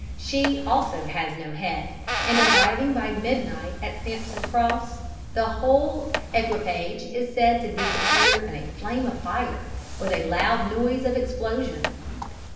She also has no head, and arriving by midnight at Sampson Cross, the whole equipage is said to disappear in a flame of fire, with a loud noise of explosion."